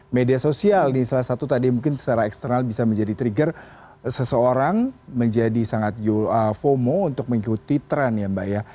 media sosial ini salah satu tadi mungkin secara eksternal bisa menjadi trigger seseorang menjadi sangat fomo untuk mengikuti trend ya mbak ya